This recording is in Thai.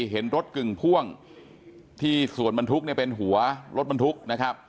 เห็นรถกึ่งพ่วงที่ส่วนบรรทุกเนี่ยเป็นหัวรถบรรทุกนะครับ